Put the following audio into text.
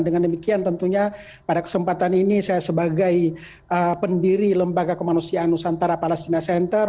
dengan demikian tentunya pada kesempatan ini saya sebagai pendiri lembaga kemanusiaan nusantara palestina center